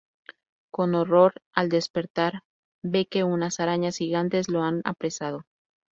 Con horror, al despertar ve que unas Arañas Gigantes los han apresado.